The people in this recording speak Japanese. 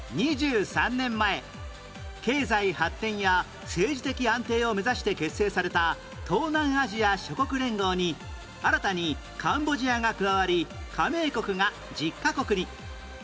２３年前経済発展や政治的安定を目指して結成された東南アジア諸国連合に新たにカンボジアが加わり加盟国が１０カ国に